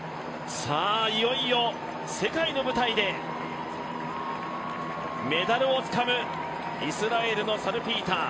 いよいよ世界の舞台でメダルをつかむイスラエルのサルピーター。